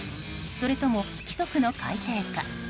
それとも規則の改定か？